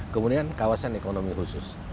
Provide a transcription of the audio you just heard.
kemudian kawasan ekonomi khusus